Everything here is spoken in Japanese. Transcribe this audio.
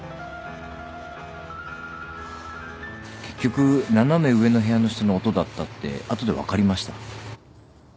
結局斜め上の部屋の人の音だったって後で分かりました。